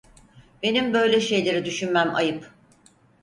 Benim böyle şeyleri düşünmem ayıp!